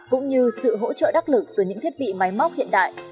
cũng như sự hỗ trợ đắc lực từ những thiết bị máy móc hiện đại